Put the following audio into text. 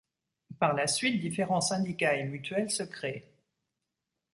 Par la suite différents syndicats et mutuelles, se créent.